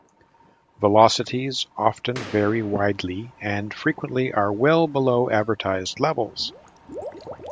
Velocities often vary widely and frequently are well below advertised levels.